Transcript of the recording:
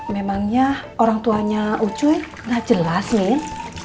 memangnya orang tuanya ucuy nggak jelas min